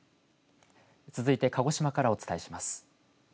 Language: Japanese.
続いて鹿児島からお伝えします。